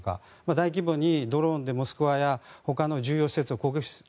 大規模にドローンでモスクワやほかの重要施設を攻撃する。